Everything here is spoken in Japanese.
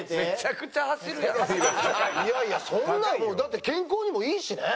いやいやそんなもうだって健康にもいいしね。